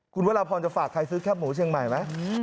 คุณวรพรจะฝากใครซื้อแคบหมูเชียงใหม่ไหม